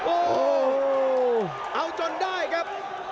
โอ้โหเอาจนได้ครับ